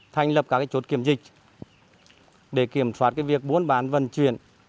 thành lập các chốt kiểm dịch để kiểm soát việc buôn bán vận chuyển